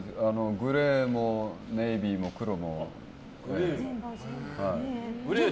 グレーもネイビーも黒もはい。